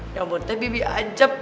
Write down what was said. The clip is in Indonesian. nyomotnya bibik ancam